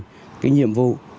lộ trình nhiệm vụ